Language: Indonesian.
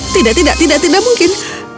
tidak tidak tidak mungkin